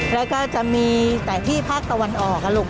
แล้วก็จะมีแต่ที่ภาคตะวันออกลูก